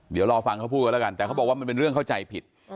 เดี๋ยวรอฟังเขาพูดกันแล้วกันแต่เขาบอกว่ามันเป็นเรื่องเข้าใจผิด